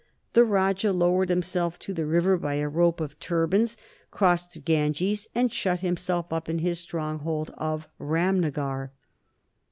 The Rajah lowered himself to the river by a rope of turbans, crossed the Ganges, and shut himself up in his stronghold of Ramnagar.